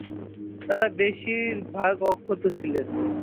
তারা বেশির ভাগ অক্ষত ছিলেন।